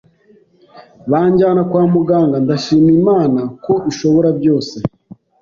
banjyana kwa muganga, ndashima Imana ko ishobora byose